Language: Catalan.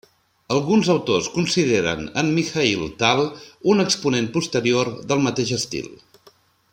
Alguns autors consideren en Mikhaïl Tal un exponent posterior del mateix estil.